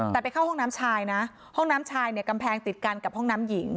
แต่ไปเข้าห้องน้ำชายนะห้องน้ำชายเนี่ยกำแพงติดกันกับห้องน้ำหญิง